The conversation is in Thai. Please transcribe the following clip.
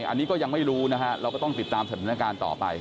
อันนี้ก็ยังไม่รู้นะฮะเราก็ต้องติดตามสถานการณ์ต่อไป